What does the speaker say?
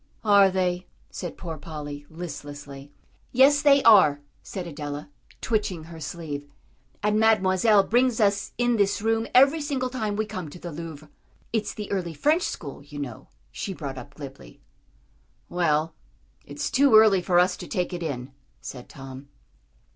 "Are they?" said poor Polly, listlessly. "Yes, they are," said Adela, twitching her sleeve, "and Mademoiselle brings us in this room every single time we come to the Louvre." "It's the early French school, you know," she brought up glibly. "Well, it's too early for us to take it in," said Tom.